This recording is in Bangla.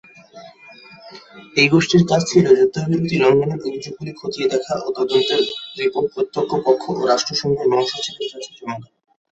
এই গোষ্ঠীর কাজ ছিল, যুদ্ধবিরতি লঙ্ঘনের অভিযোগগুলি খতিয়ে দেখা ও তদন্তের রিপোর্ট প্রত্যেক পক্ষ ও রাষ্ট্রসংঘের মহাসচিবের কাছে জমা দেওয়া।